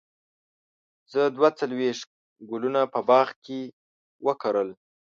زه دوه څلوېښت ګلونه په باغ کې وکرل.